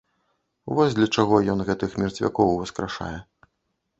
Вось для чаго ён гэтых мерцвякоў уваскрашае.